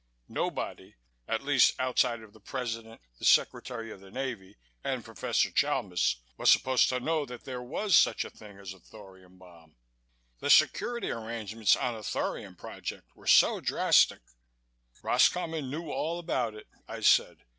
Nobody at least outside of the President, the Secretary of the Navy and Professor Chalmis was supposed to know that there was such a thing as a thorium bomb. The security arrangements on the thorium project were so drastic " "Roscommon knew all about it," I said.